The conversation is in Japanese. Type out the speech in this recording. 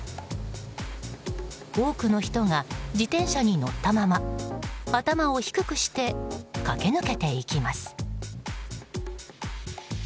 多くの人が自転車に乗ったまま頭を低くして駆け抜けていきます。